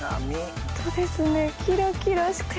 ホントですねキラキラしてる。